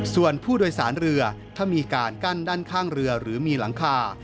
ส่วนผู้โดยสารเรือถ้ามีการกั้นด้านข้างเรือหรือมีหลังคา